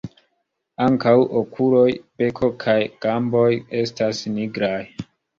Ankaŭ okuloj, beko kaj gamboj estas nigraj.